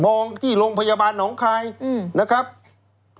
มองที่โรงพยาบาลน้องคลายนะครับอืม